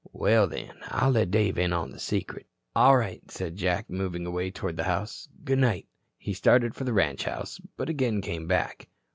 "Well, then, I'll let Dave in on the secret." "All right," said Jack, moving away toward the house. "Good night." He started for the ranch house, but again came back.